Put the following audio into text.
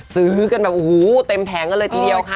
ซื้อกันแบบโอ้โหเต็มแผงกันเลยทีเดียวค่ะ